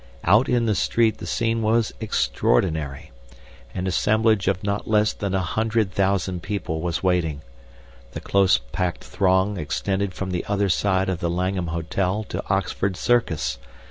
Out in the street the scene was extraordinary. An assemblage of not less than a hundred thousand people was waiting. The close packed throng extended from the other side of the Langham Hotel to Oxford Circus.